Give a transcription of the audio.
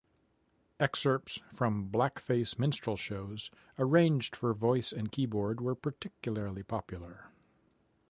Excerpts from blackface minstrel shows, arranged for voice and keyboard, were particularly popular.